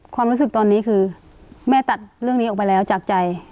ความรู้สึกตอนนี้คือแม่ตัดเรื่องนี้ออกไปแล้วจากใจ